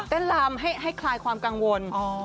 เต้นรำให้คลายความกังวล